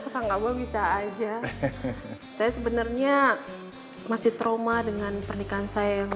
saya takut bisa ajahibi also sebenernya masih trauma dengan pernikahan saya yang